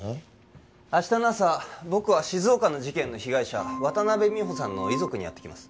明日の朝僕は静岡の事件の被害者渡辺美穂さんの遺族に会ってきます